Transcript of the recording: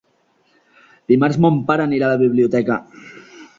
Dimarts mon pare anirà a la biblioteca.